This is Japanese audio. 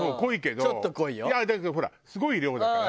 だけどほらすごい量だから。